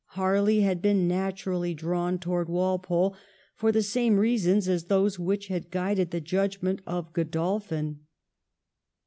Harley had been naturally drawn towards Walpole for the same reasons as those which had guided the judgment of Godolphin.